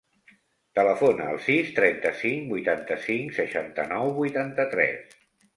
Telefona al sis, trenta-cinc, vuitanta-cinc, seixanta-nou, vuitanta-tres.